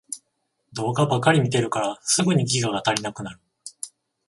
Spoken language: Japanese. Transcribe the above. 動画ばかり見てるからすぐにギガが足りなくなる